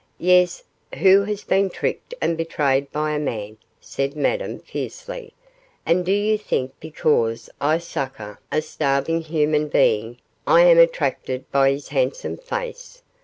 'Yes, who has been tricked and betrayed by a man,' said Madame, fiercely; 'and do you think because I succour a starving human being I am attracted by his handsome face?